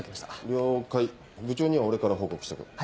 了解部長には俺から報告しとく。